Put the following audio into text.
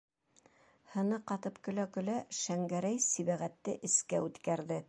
- Һыны ҡатып көлә-көлә, Шәңгәрәй Сибәғәтте эскә үткәрҙе.